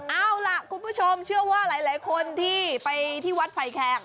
เอาล่ะคุณผู้ชมเชื่อว่าหลายคนที่ไปที่วัดไผ่แขก